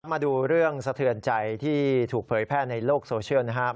มาดูเรื่องสะเทือนใจที่ถูกเผยแพร่ในโลกโซเชียลนะครับ